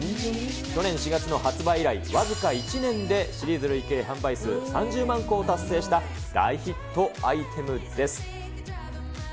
去年４月の発売以来、僅か１年でシリーズ累計販売数３０万個を達成した大ヒットアイテムです。